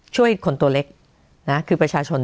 ช่วยคนตัวเล็กนะคือประชาชน